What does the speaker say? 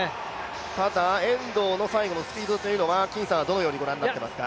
ただ遠藤の最後のスピードというのは金さんはどのようにご覧になっていますか？